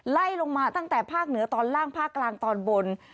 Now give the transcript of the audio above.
ไล่ลงมาตั้งแต่ภาคเหนือตอนล่างภาคกลางตอนบน